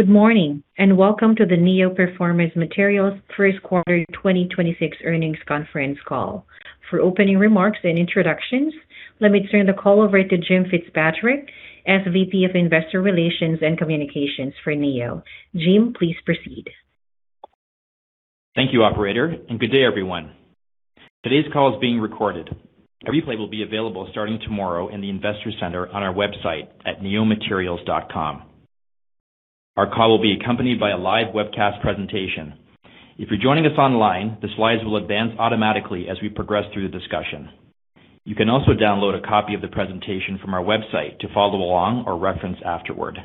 Good morning, and welcome to the Neo Performance Materials first quarter 2026 earnings conference call. For opening remarks and introductions, let me turn the call over to Jim Fitzpatrick as VP of Investor Relations and Communications for Neo. Jim, please proceed. Thank you, operator. Good day, everyone. Today's call is being recorded. A replay will be available starting tomorrow in the Investor Center on our website at neomaterials.com. Our call will be accompanied by a live webcast presentation. If you're joining us online, the slides will advance automatically as we progress through the discussion. You can also download a copy of the presentation from our website to follow along or reference afterward.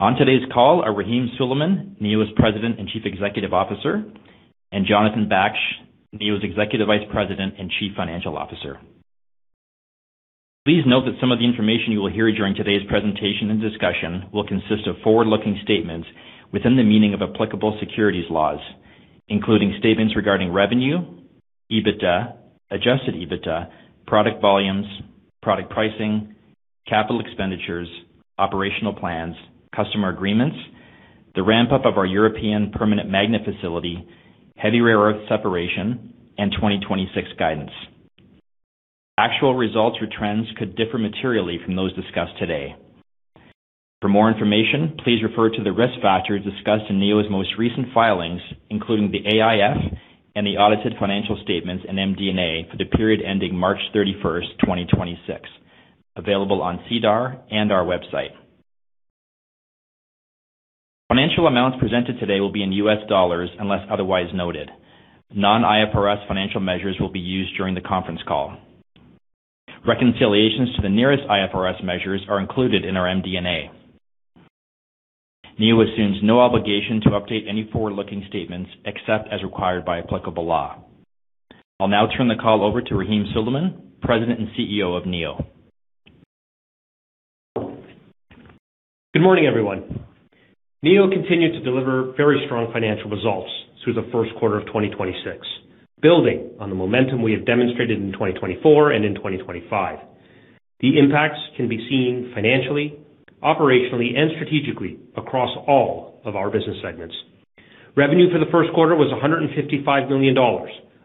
On today's call are Rahim Suleman, Neo's President and Chief Executive Officer, and Jonathan Baksh, Neo's Executive Vice President and Chief Financial Officer. Please note that some of the information you will hear during today's presentation and discussion will consist of forward-looking statements within the meaning of applicable securities laws, including statements regarding revenue, EBITDA, adjusted EBITDA, product volumes, product pricing, capital expenditures, operational plans, customer agreements, the ramp-up of our European permanent magnet facility, heavy rare earth separation, and 2026 guidance. Actual results or trends could differ materially from those discussed today. For more information, please refer to the risk factors discussed in Neo's most recent filings, including the AIF and the audited financial statements in MD&A for the period ending March 31st, 2026, available on SEDAR and our website. Financial amounts presented today will be in U.S. dollars, unless otherwise noted. Non-IFRS financial measures will be used during the conference call. Reconciliations to the nearest IFRS measures are included in our MD&A. Neo assumes no obligation to update any forward-looking statements except as required by applicable law. I'll now turn the call over to Rahim Suleman, President and CEO of Neo. Good morning, everyone. Neo continued to deliver very strong financial results through the first quarter of 2026, building on the momentum we have demonstrated in 2024 and in 2025. The impacts can be seen financially, operationally, and strategically across all of our business segments. Revenue for the first quarter was $155 million,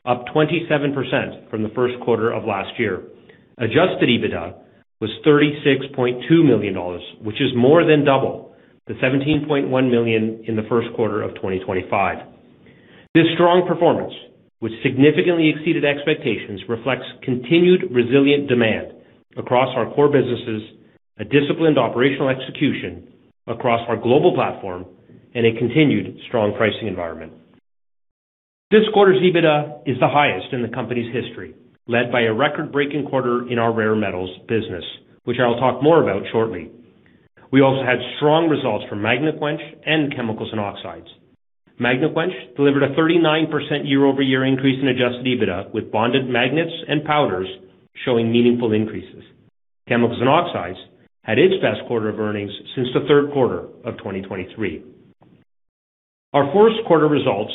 up 27% from the first quarter of last year. Adjusted EBITDA was $36.2 million, which is more than double the $17.1 million in the first quarter of 2025. This strong performance, which significantly exceeded expectations, reflects continued resilient demand across our core businesses, a disciplined operational execution across our global platform, and a continued strong pricing environment. This quarter's EBITDA is the highest in the company's history, led by a record-breaking quarter in our rare metals business, which I'll talk more about shortly. We also had strong results from Magnequench and Chemicals & Oxides. Magnequench delivered a 39% year-over-year increase in adjusted EBITDA, with bonded magnets and powders showing meaningful increases. Chemicals & Oxides had its best quarter of earnings since the third quarter of 2023. Our first quarter results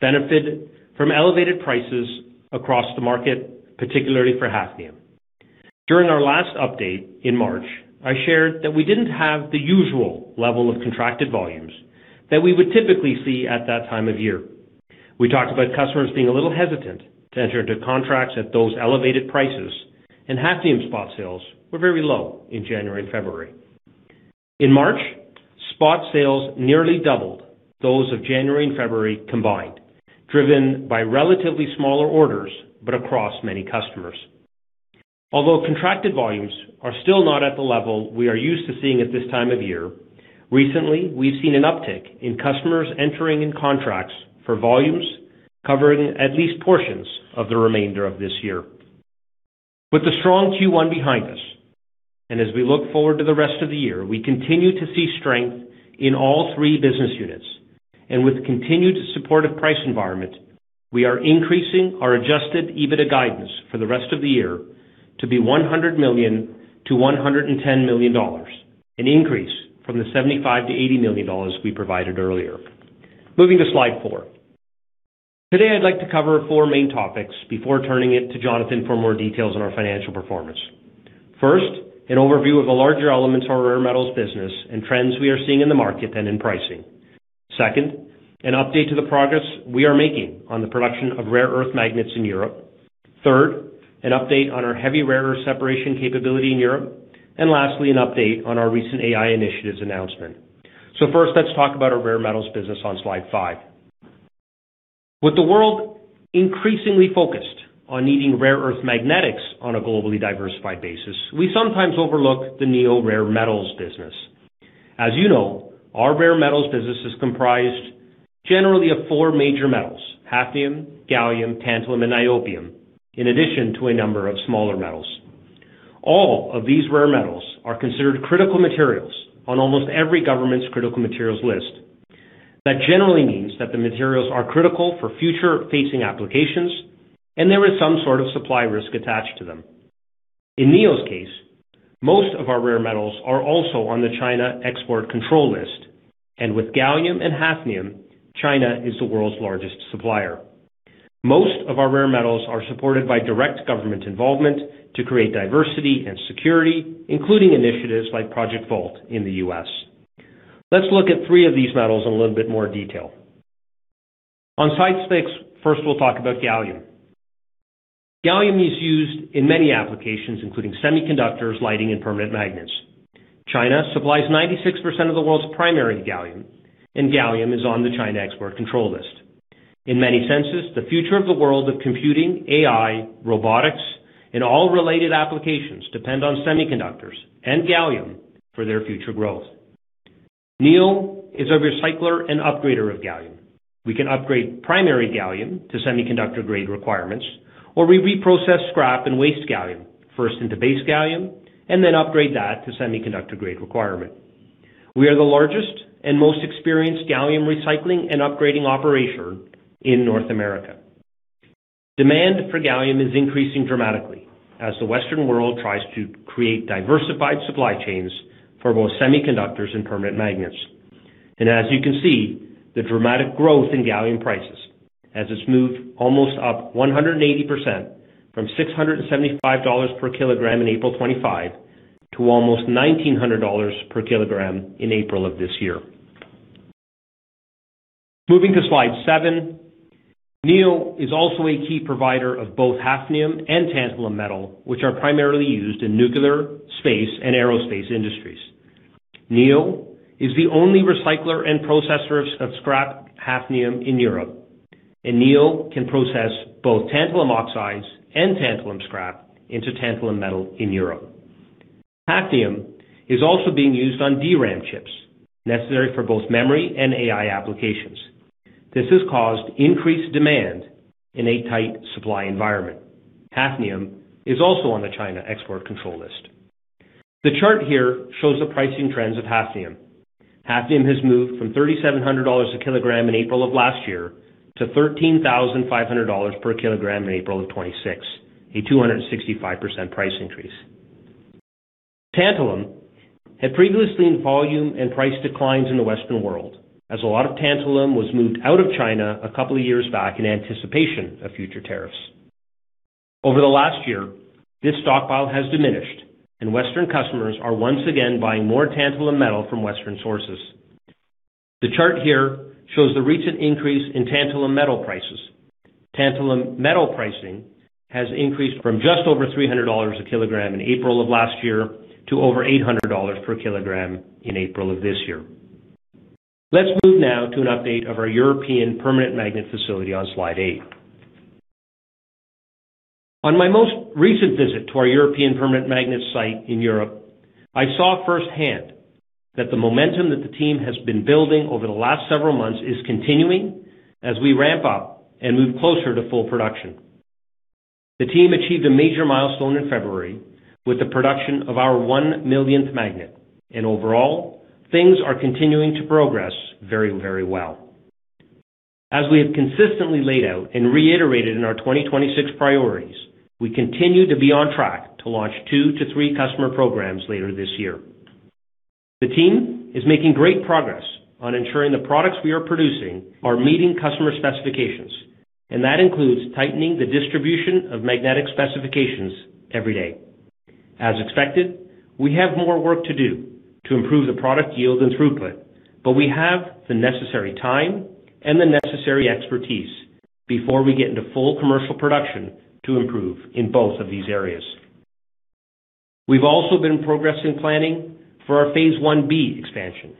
benefited from elevated prices across the market, particularly for hafnium. During our last update in March, I shared that we didn't have the usual level of contracted volumes that we would typically see at that time of year. We talked about customers being a little hesitant to enter into contracts at those elevated prices, and hafnium spot sales were very low in January and February. In March, spot sales nearly doubled those of January and February combined, driven by relatively smaller orders but across many customers. Although contracted volumes are still not at the level we are used to seeing at this time of year, recently, we've seen an uptick in customers entering in contracts for volumes covering at least portions of the remainder of this year. With the strong Q1 behind us, and as we look forward to the rest of the year, we continue to see strength in all three business units. With continued supportive price environment, we are increasing our adjusted EBITDA guidance for the rest of the year to be $100 million-$110 million, an increase from the $75 million-$80 million we provided earlier. Moving to slide four. Today, I'd like to cover four main topics before turning it to Jonathan for more details on our financial performance. First, an overview of the larger elements of our rare metals business and trends we are seeing in the market and in pricing. Second, an update to the progress we are making on the production of rare earth magnets in Europe. Third, an update on our heavy rare earth separation capability in Europe. Lastly, an update on our recent AI initiatives announcement. First, let's talk about our rare metals business on slide five. With the world increasingly focused on needing rare earth magnetics on a globally diversified basis, we sometimes overlook the Neo rare metals business. As you know, our rare metals business is comprised generally of four major metals: hafnium, gallium, tantalum, and niobium, in addition to a number of smaller metals. All of these rare metals are considered critical materials on almost every government's critical materials list. That generally means that the materials are critical for future-facing applications, and there is some sort of supply risk attached to them. In Neo's case, most of our rare metals are also on the China Export Control List, and with gallium and hafnium, China is the world's largest supplier. Most of our rare metals are supported by direct government involvement to create diversity and security, including initiatives like Project Vault in the U.S. Let's look at three of these metals in a little bit more detail. On slide six, first we'll talk about gallium. Gallium is used in many applications, including semiconductors, lighting, and permanent magnets. China supplies 96% of the world's primary gallium, and gallium is on the China Export Control List. In many senses, the future of the world of computing, AI, robotics, and all related applications depend on semiconductors and gallium for their future growth. Neo is a recycler and upgrader of gallium. We can upgrade primary gallium to semiconductor grade requirements, or we reprocess scrap and waste gallium first into base gallium and then upgrade that to semiconductor grade requirement. We are the largest and most experienced gallium recycling and upgrading operator in North America. Demand for gallium is increasing dramatically as the Western world tries to create diversified supply chains for both semiconductors and permanent magnets. As you can see, the dramatic growth in gallium prices as it's moved almost up 180% from $675 per kilogram in April 2025 to almost $1,900 per kilogram in April of this year. Moving to slide seven. Neo is also a key provider of both hafnium and tantalum metal, which are primarily used in nuclear, space and aerospace industries. Neo is the only recycler and processor of scrap hafnium in Europe. Neo can process both tantalum oxides and tantalum scrap into tantalum metal in Europe. Hafnium is also being used on DRAM chips necessary for both memory and AI applications. This has caused increased demand in a tight supply environment. Hafnium is also on the China Export Control List. The chart here shows the pricing trends of hafnium. Hafnium has moved from $3,700 a kilogram in April of last year to $13,500 per kilogram in April of 2026, a 265% price increase. Tantalum had previously volume and price declines in the Western world as a lot of tantalum was moved out of China a couple of years back in anticipation of future tariffs. Over the last year, this stockpile has diminished and Western customers are once again buying more tantalum metal from Western sources. The chart here shows the recent increase in tantalum metal prices. Tantalum metal pricing has increased from just over $300 a kilogram in April of last year to over $800 per kilogram in April of this year. Let's move now to an update of our European permanent magnet facility on slide eight. On my most recent visit to our European permanent magnet site in Europe, I saw firsthand that the momentum that the team has been building over the last several months is continuing as we ramp up and move closer to full production. The team achieved a major milestone in February with the production of our 1 millionth magnet. Overall, things are continuing to progress very, very well. As we have consistently laid out and reiterated in our 2026 priorities, we continue to be on track to launch two to three customer programs later this year. The team is making great progress on ensuring the products we are producing are meeting customer specifications, and that includes tightening the distribution of magnetic specifications every day. As expected, we have more work to do to improve the product yield and throughput, but we have the necessary time and the necessary expertise before we get into full commercial production to improve in both of these areas. We've also been progressing planning for our phase I-B expansion,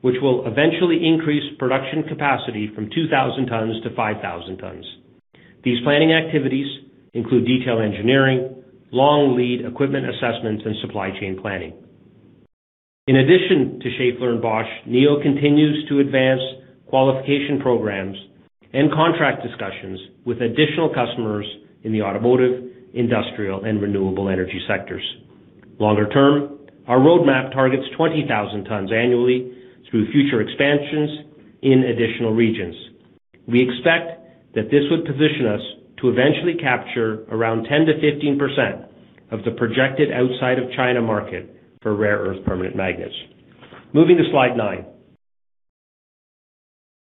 which will eventually increase production capacity from 2,000 tons-5,000 tons. These planning activities include detailed engineering, long lead equipment assessments, and supply chain planning. In addition to Schaeffler and Bosch, Neo continues to advance qualification programs and contract discussions with additional customers in the automotive, industrial, and renewable energy sectors. Longer term, our roadmap targets 20,000 tons annually through future expansions in additional regions. We expect that this would position us to eventually capture around 10%-15% of the projected outside of China market for rare earth permanent magnets. Moving to slide nine.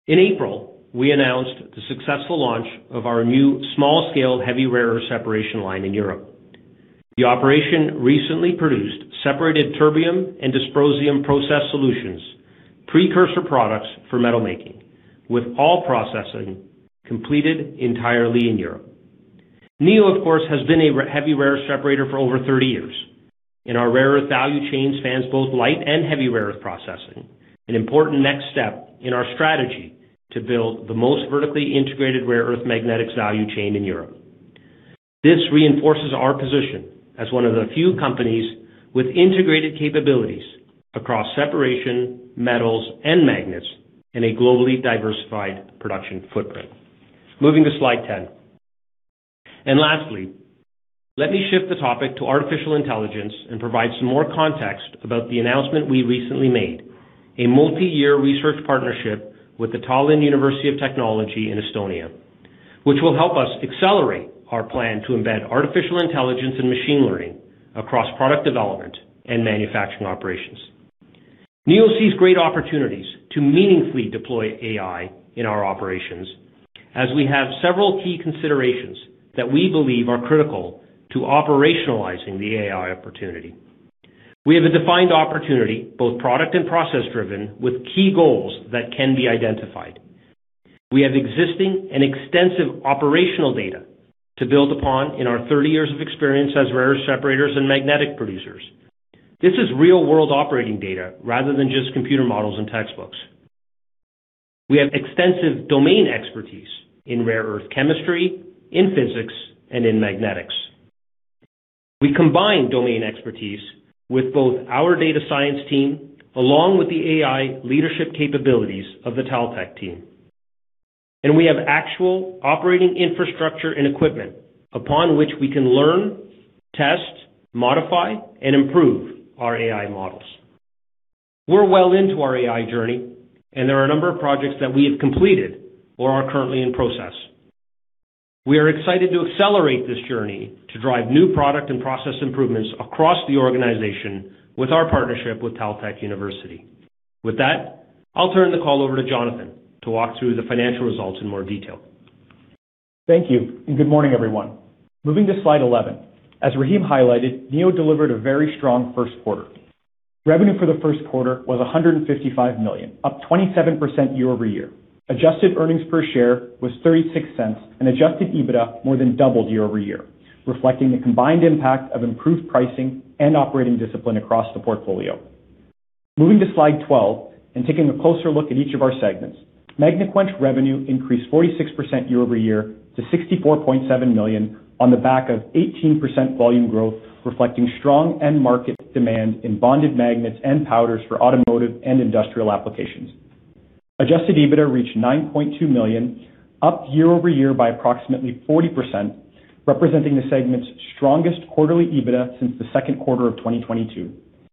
In April, we announced the successful launch of our new small-scale heavy rare earth separation line in Europe. The operation recently produced separated terbium and dysprosium process solutions, precursor products for metal making, with all processing completed entirely in Europe. Neo, of course, has been a heavy rare earth separator for over 30 years, our rare earth value chain spans both light and heavy rare earth processing, an important next step in our strategy to build the most vertically integrated rare earth magnetics value chain in Europe. This reinforces our position as one of the few companies with integrated capabilities across separation, metals, and magnets in a globally diversified production footprint. Moving to slide 10. Lastly, let me shift the topic to artificial intelligence and provide some more context about the announcement we recently made, a multi-year research partnership with the Tallinn University of Technology in Estonia, which will help us accelerate our plan to embed artificial intelligence and machine learning across product development and manufacturing operations. Neo sees great opportunities to meaningfully deploy AI in our operations as we have several key considerations that we believe are critical to operationalizing the AI opportunity. We have a defined opportunity, both product and process driven, with key goals that can be identified. We have existing and extensive operational data to build upon in our 30 years of experience as rare earth separators and magnetic producers. This is real world operating data rather than just computer models and textbooks. We have extensive domain expertise in rare earth chemistry, in physics, and in magnetics. We combine domain expertise with both our data science team along with the AI leadership capabilities of the TalTech team. We have actual operating infrastructure and equipment upon which we can learn, test, modify, and improve our AI models. We're well into our AI journey, and there are a number of projects that we have completed or are currently in process. We are excited to accelerate this journey to drive new product and process improvements across the organization with our partnership with TalTech University. With that, I'll turn the call over to Jonathan to walk through the financial results in more detail. Thank you. Good morning, everyone. Moving to slide 11. As Rahim highlighted, Neo delivered a very strong first quarter. Revenue for the first quarter was $155 million, up 27% year-over-year. Adjusted earnings per share was $0.36 and adjusted EBITDA more than doubled year-over-year, reflecting the combined impact of improved pricing and operating discipline across the portfolio. Moving to slide 12 and taking a closer look at each of our segments. Magnequench revenue increased 46% year-over-year to $64.7 million on the back of 18% volume growth, reflecting strong end-market demand in bonded magnets and powders for automotive and industrial applications. Adjusted EBITDA reached $9.2 million, up year-over-year by approximately 40%, representing the segment's strongest quarterly EBITDA since the second quarter of 2022.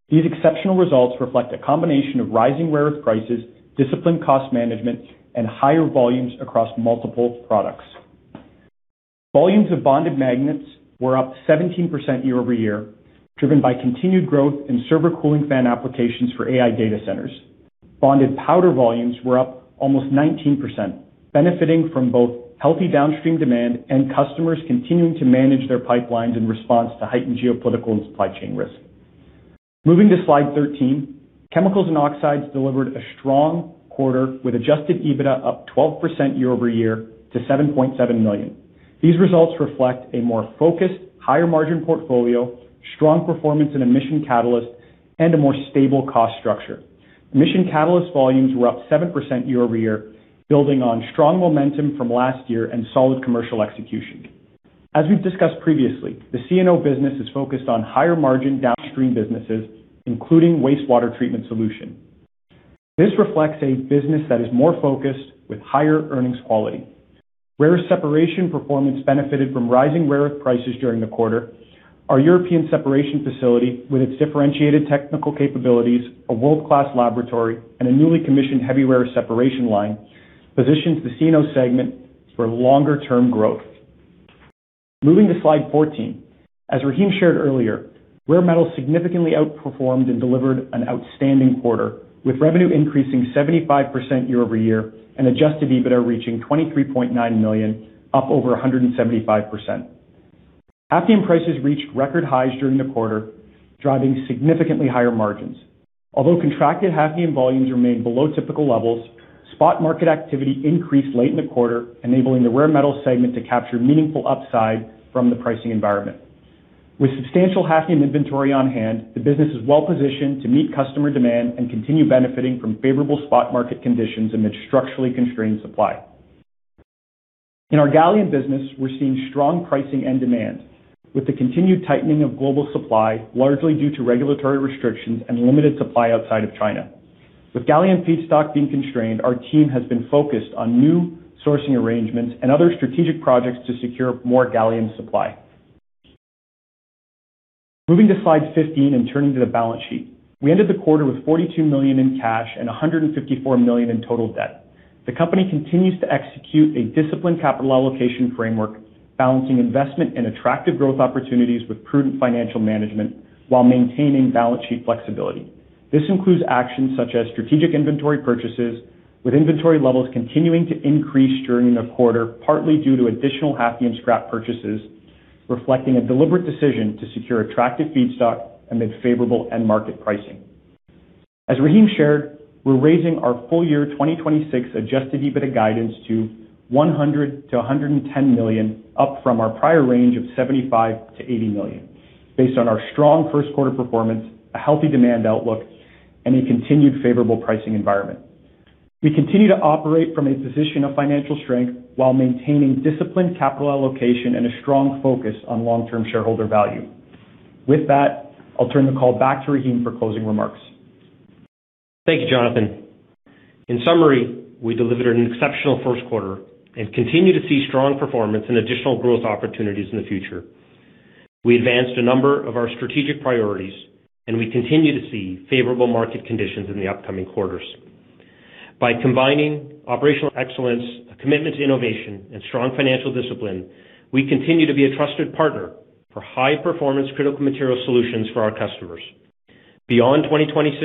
These exceptional results reflect a combination of rising rare earth prices, disciplined cost management, and higher volumes across multiple products. Volumes of bonded magnets were up 17% year-over-year, driven by continued growth in server cooling fan applications for AI data centers. Bonded powder volumes were up almost 19%, benefiting from both healthy downstream demand and customers continuing to manage their pipelines in response to heightened geopolitical and supply chain risk. Moving to slide 13. Chemicals & Oxides delivered a strong quarter with adjusted EBITDA up 12% year-over-year to $7.7 million. These results reflect a more focused, higher margin portfolio, strong performance in emission catalysts, and a more stable cost structure. Emission catalyst volumes were up 7% year-over-year, building on strong momentum from last year and solid commercial execution. As we've discussed previously, the C&O business is focused on higher margin downstream businesses, including wastewater treatment solution. This reflects a business that is more focused with higher earnings quality. Rare separation performance benefited from rising rare earth prices during the quarter. Our European separation facility, with its differentiated technical capabilities, a world-class laboratory, and a newly commissioned heavy rare separation line, positions the C&O segment for longer-term growth. Moving to slide 14. As Rahim shared earlier, rare metals significantly outperformed and delivered an outstanding quarter, with revenue increasing 75% year-over-year and adjusted EBITDA reaching $23.9 million, up over 175%. hafnium prices reached record highs during the quarter, driving significantly higher margins. Although contracted hafnium volumes remained below typical levels, spot market activity increased late in the quarter, enabling the rare metal segment to capture meaningful upside from the pricing environment. With substantial hafnium inventory on hand, the business is well-positioned to meet customer demand and continue benefiting from favorable spot market conditions amid structurally constrained supply. In our gallium business, we're seeing strong pricing and demand with the continued tightening of global supply, largely due to regulatory restrictions and limited supply outside of China. With gallium feedstock being constrained, our team has been focused on new sourcing arrangements and other strategic projects to secure more gallium supply. Moving to slide 15 and turning to the balance sheet. We ended the quarter with $42 million in cash and $154 million in total debt. The company continues to execute a disciplined capital allocation framework, balancing investment and attractive growth opportunities with prudent financial management while maintaining balance sheet flexibility. This includes actions such as strategic inventory purchases, with inventory levels continuing to increase during the quarter, partly due to additional hafnium scrap purchases, reflecting a deliberate decision to secure attractive feedstock amid favorable end market pricing. As Rahim shared, we're raising our full year 2026 adjusted EBITDA guidance to $100 million-$110 million, up from our prior range of $75 million-$80 million, based on our strong first quarter performance, a healthy demand outlook, and a continued favorable pricing environment. We continue to operate from a position of financial strength while maintaining disciplined capital allocation and a strong focus on long-term shareholder value. With that, I'll turn the call back to Rahim for closing remarks. Thank you, Jonathan. In summary, we delivered an exceptional first quarter and continue to see strong performance and additional growth opportunities in the future. We advanced a number of our strategic priorities, and we continue to see favorable market conditions in the upcoming quarters. By combining operational excellence, a commitment to innovation, and strong financial discipline, we continue to be a trusted partner for high-performance critical material solutions for our customers. Beyond 2026,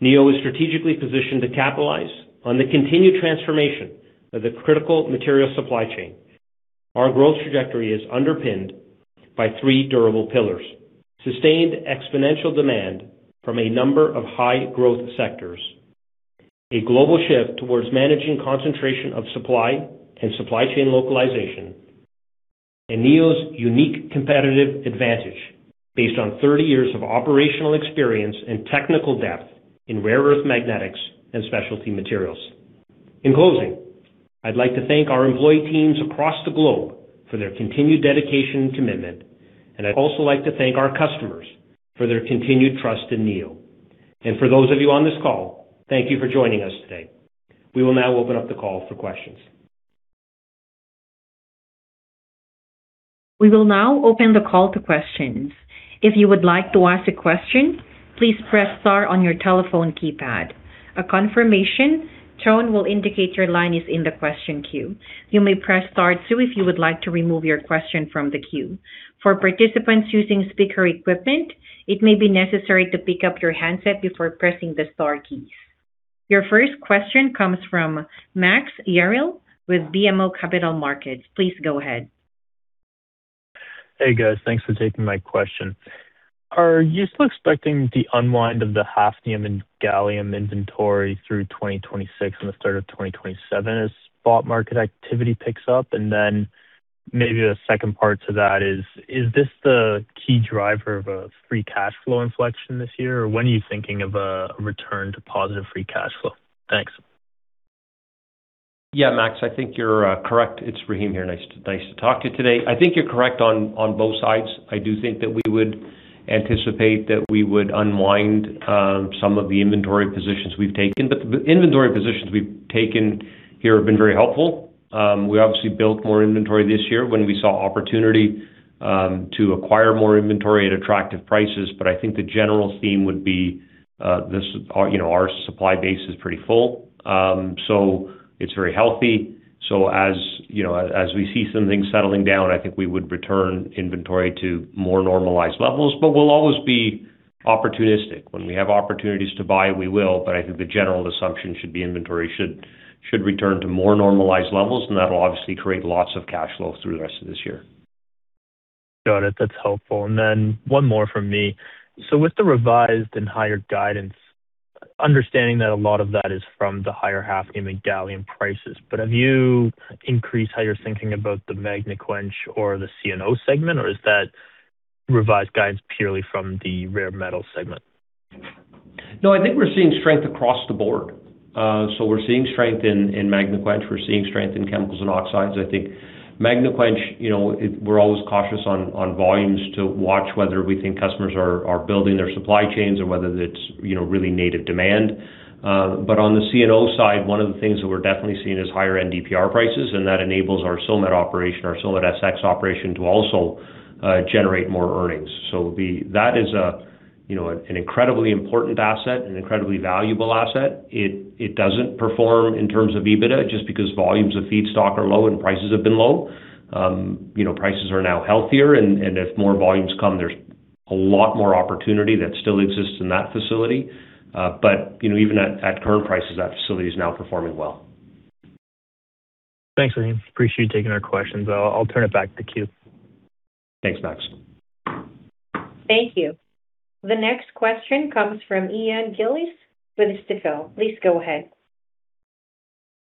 Neo is strategically positioned to capitalize on the continued transformation of the critical material supply chain. Our growth trajectory is underpinned by three durable pillars, sustained exponential demand from a number of high growth sectors, a global shift towards managing concentration of supply and supply chain localization, and Neo's unique competitive advantage based on 30 years of operational experience and technical depth in rare earth magnetics and specialty materials. In closing, I'd like to thank our employee teams across the globe for their continued dedication and commitment, and I'd also like to thank our customers for their continued trust in Neo. For those of you on this call, thank you for joining us today. We will now open up the call for questions. We will now open the call to questions. If you would like to ask a question, please press star on your telephone keypad. A confirmation tone will indicate your line is in the question queue. You may press star two if you would like to remove your question from the queue. For participants using speaker equipment, it may be necessary to pick up your handset before pressing the star key. Your first question comes from Max Yerrill with BMO Capital Markets. Please go ahead. Hey, guys. Thanks for taking my question. Are you still expecting the unwind of the hafnium and gallium inventory through 2026 and the start of 2027 as spot market activity picks up? Maybe the second part to that is this the key driver of a free cash flow inflection this year? When are you thinking of a return to positive free cash flow? Thanks. Yeah, Max, I think you're correct. It's Rahim here. Nice to talk to you today. I think you're correct on both sides. I do think that we would anticipate that we would unwind some of the inventory positions we've taken. The inventory positions we've taken here have been very helpful. We obviously built more inventory this year when we saw opportunity to acquire more inventory at attractive prices. I think the general theme would be, you know, our supply base is pretty full. It's very healthy. As, you know, as we see some things settling down, I think we would return inventory to more normalized levels. We'll always be opportunistic. When we have opportunities to buy, we will. I think the general assumption should be inventory should return to more normalized levels, and that'll obviously create lots of cash flows through the rest of this year. Got it. That's helpful. One more from me. With the revised and higher guidance, understanding that a lot of that is from the higher hafnium and gallium prices, but have you increased how you're thinking about the Magnequench or the C&O segment? Is that revised guidance purely from the rare metal segment? No, I think we're seeing strength across the board. So we're seeing strength in Magnequench. We're seeing strength in Chemicals & Oxides. I think Magnequench, you know, we're always cautious on volumes to watch whether we think customers are building their supply chains or whether it's, you know, really native demand. But on the C&O side, one of the things that we're definitely seeing is higher NdPr prices, and that enables our Silmet operation, our Silmet SX operation to also generate more earnings. That is a, you know, an incredibly important asset, an incredibly valuable asset. It doesn't perform in terms of EBITDA just because volumes of feedstock are low and prices have been low. You know, prices are now healthier and as more volumes come, there's a lot more opportunity that still exists in that facility. You know, even at current prices, that facility is now performing well. Thanks, Rahim. Appreciate you taking our questions. I'll turn it back to the queue. Thanks, Max. Thank you. The next question comes from Ian Gillies with Stifel. Please go ahead.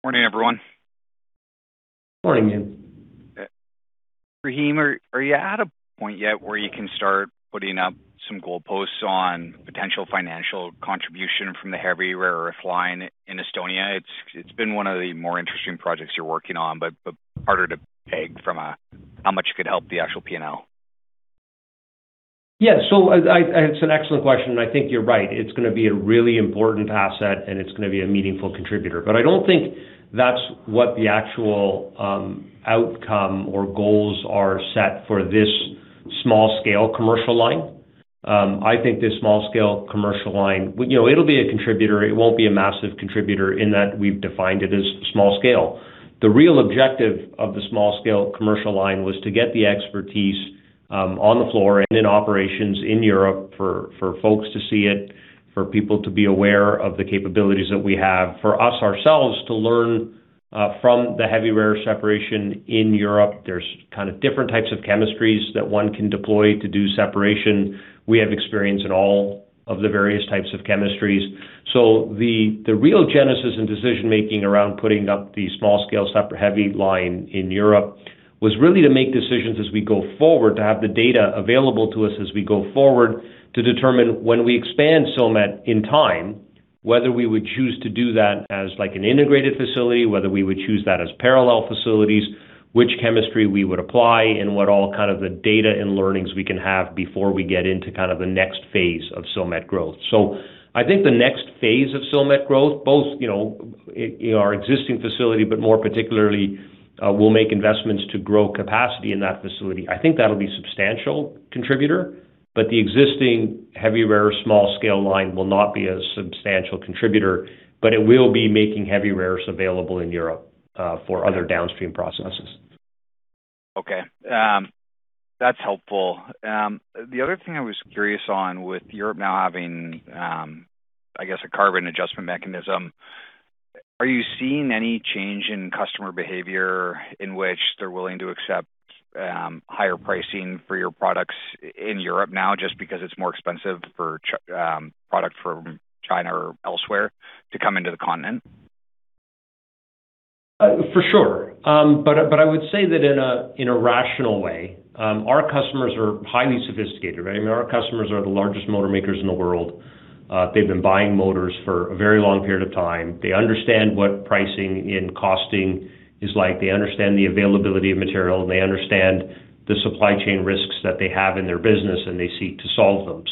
Morning, everyone. Morning, Ian. Rahim, are you at a point yet where you can start putting up some goalposts on potential financial contribution from the heavy rare earth line in Estonia? It's been one of the more interesting projects you're working on, but harder to peg from a how much it could help the actual P&L. It's an excellent question, and I think you're right. It's gonna be a really important asset, and it's gonna be a meaningful contributor. I don't think that's what the actual outcome or goals are set for this small scale commercial line. I think this small scale commercial line, you know, it'll be a contributor. It won't be a massive contributor in that we've defined it as small scale. The real objective of the small scale commercial line was to get the expertise on the floor and in operations in Europe for folks to see it, for people to be aware of the capabilities that we have, for us ourselves to learn from the heavy rare separation in Europe. There's kind of different types of chemistries that one can deploy to do separation. We have experience in all of the various types of chemistries. The, the real genesis and decision-making around putting up the small scale super heavy line in Europe was really to make decisions as we go forward, to have the data available to us as we go forward to determine when we expand Silmet in time, whether we would choose to do that as, like, an integrated facility, whether we would choose that as parallel facilities, which chemistry we would apply, and what all kind of the data and learnings we can have before we get into kind of the next phase of Silmet growth. I think the next phase of Silmet growth, both, you know, in our existing facility, but more particularly, we'll make investments to grow capacity in that facility. I think that'll be substantial contributor, but the existing heavy rare earth small scale line will not be a substantial contributor, but it will be making heavy rare earths available in Europe for other downstream processes. Okay. That's helpful. The other thing I was curious on with Europe now having, I guess a carbon adjustment mechanism, are you seeing any change in customer behavior in which they're willing to accept higher pricing for your products in Europe now just because it's more expensive for product from China or elsewhere to come into the continent? For sure. I would say that in a rational way, our customers are highly sophisticated, right? I mean, our customers are the largest motor makers in the world. They've been buying motors for a very long period of time. They understand what pricing and costing is like. They understand the availability of material. They understand the supply chain risks that they have in their business, and they seek to solve them.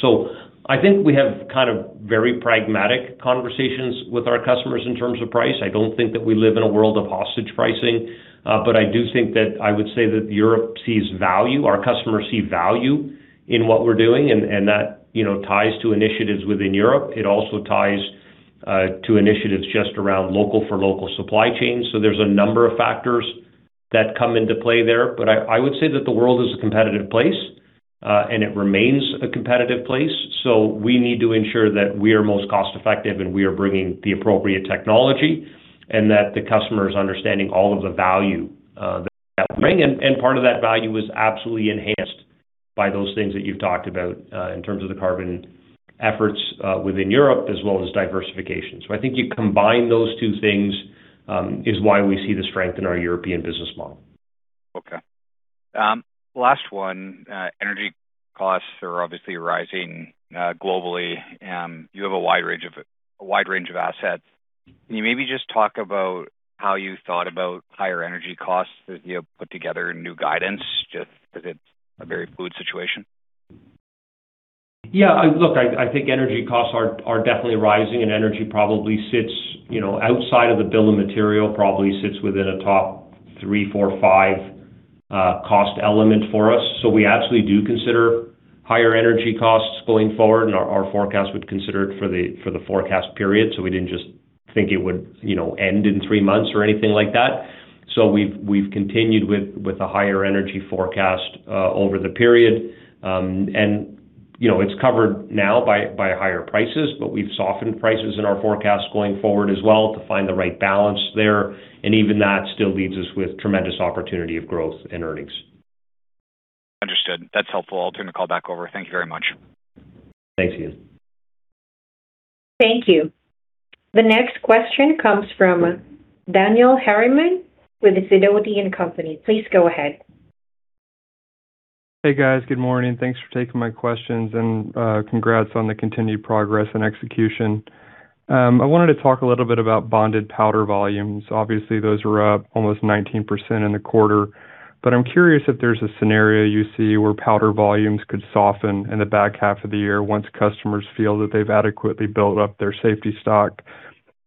I think we have kind of very pragmatic conversations with our customers in terms of price. I don't think that we live in a world of hostage pricing, but I do think that I would say that Europe sees value. Our customers see value in what we're doing and that, you know, ties to initiatives within Europe. It also ties to initiatives just around local for local supply chains. There's a number of factors that come into play there. I would say that the world is a competitive place, and it remains a competitive place. We need to ensure that we are most cost effective, and we are bringing the appropriate technology, and that the customer is understanding all of the value that we're bringing. Part of that value is absolutely enhanced by those things that you've talked about in terms of the carbon efforts within Europe as well as diversification. I think you combine those two things is why we see the strength in our European business model. Okay. Last one. Energy costs are obviously rising globally. You have a wide range of assets. Can you maybe just talk about how you thought about higher energy costs as you put together a new guidance, just 'cause it's a very fluid situation? Yeah. Look, I think energy costs are definitely rising, and energy probably sits, you know, outside of the bill of material, probably sits within a top three, four, five cost element for us. We absolutely do consider higher energy costs going forward, and our forecast would consider it for the forecast period. We didn't just think it would, you know, end in three months or anything like that. We've continued with a higher energy forecast over the period. You know, it's covered now by higher prices, but we've softened prices in our forecast going forward as well to find the right balance there. Even that still leaves us with tremendous opportunity of growth and earnings. Understood. That's helpful. I'll turn the call back over. Thank you very much. Thanks, Ian. Thank you. The next question comes from Daniel Harriman with Sidoti & Company. Please go ahead. Hey, guys. Good morning. Thanks for taking my questions and congrats on the continued progress and execution. I wanted to talk a little bit about bonded powder volumes. Obviously, those were up almost 19% in the quarter. I'm curious if there's a scenario you see where powder volumes could soften in the back half of the year once customers feel that they've adequately built up their safety stock.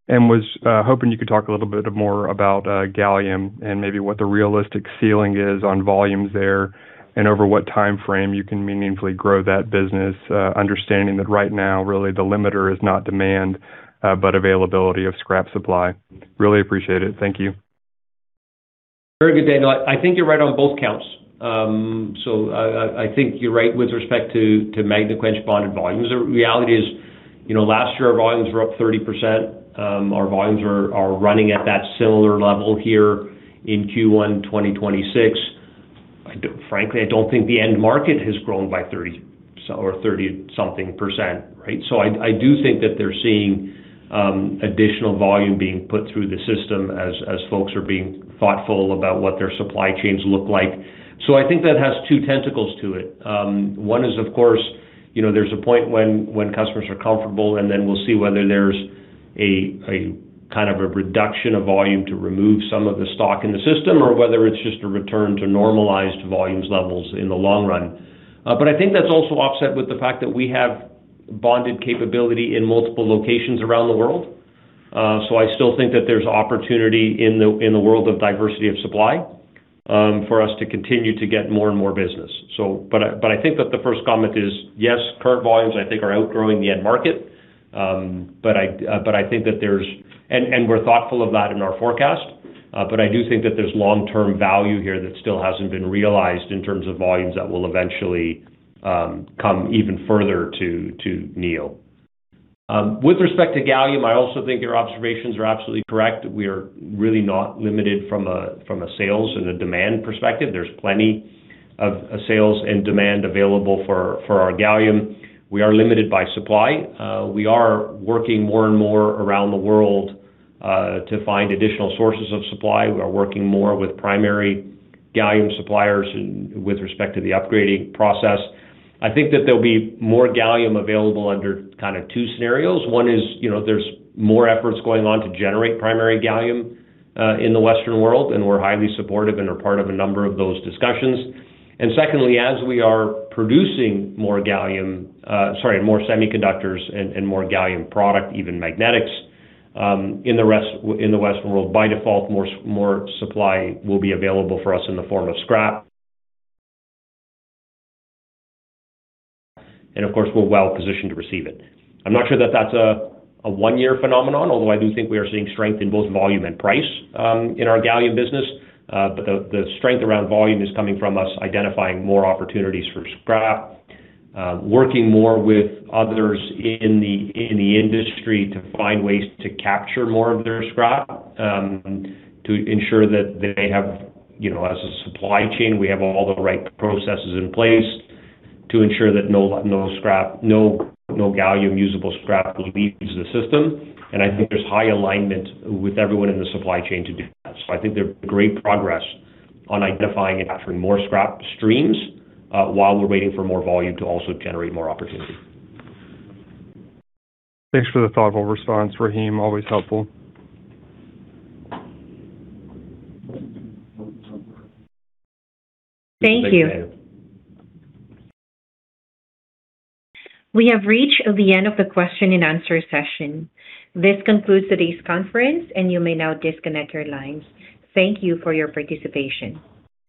Was hoping you could talk a little bit more about gallium and maybe what the realistic ceiling is on volumes there and over what timeframe you can meaningfully grow that business, understanding that right now, really, the limiter is not demand, but availability of scrap supply. Really appreciate it. Thank you. Very good, Daniel. I think you're right on both counts. I think you're right with respect to Magnequench bonded volumes. The reality is, you know, last year, our volumes were up 30%. Our volumes are running at that similar level here in Q1 2026. Frankly, I don't think the end market has grown by 30% or 30% something, right? I do think that they're seeing additional volume being put through the system as folks are being thoughtful about what their supply chains look like. I think that has two tentacles to it. One is, of course, you know, there's a point when customers are comfortable, and then we'll see whether there's a kind of a reduction of volume to remove some of the stock in the system or whether it's just a return to normalized volumes levels in the long run. I think that's also offset with the fact that we have bonded capability in multiple locations around the world. I still think that there's opportunity in the world of diversity of supply, for us to continue to get more and more business. I think that the first comment is, yes, current volumes, I think are outgrowing the end market. I think that there's, and we're thoughtful of that in our forecast. I do think that there's long-term value here that still hasn't been realized in terms of volumes that will eventually come even further to Neo. With respect to gallium, I also think your observations are absolutely correct. We are really not limited from a sales and a demand perspective. There's plenty of sales and demand available for our gallium. We are limited by supply. We are working more and more around the world to find additional sources of supply. We are working more with primary gallium suppliers and with respect to the upgrading process. I think that there'll be more gallium available under kind of two scenarios. One is, you know, there's more efforts going on to generate primary gallium in the Western world, and we're highly supportive and are part of a number of those discussions. Secondly, as we are producing more gallium, sorry, more semiconductors and more gallium product, even magnetics, in the Western world, by default, more supply will be available for us in the form of scrap. Of course, we are well-positioned to receive it. I am not sure that that is a one-year phenomenon, although I do think we are seeing strength in both volume and price in our gallium business. The strength around volume is coming from us identifying more opportunities for scrap, working more with others in the industry to find ways to capture more of their scrap, to ensure that they have, you know, as a supply chain, we have all the right processes in place to ensure that no scrap, no gallium usable scrap leaves the system. I think there's high alignment with everyone in the supply chain to do that. I think there's great progress on identifying and capturing more scrap streams, while we're waiting for more volume to also generate more opportunity. Thanks for the thoughtful response, Rahim. Always helpful. Thank you. Thanks, Daniel. We have reached the end of the question and answer session. This concludes today's conference, and you may now disconnect your lines. Thank you for your participation.